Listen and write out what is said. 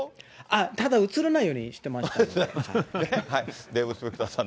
ただ、映らないようにしてましたんで。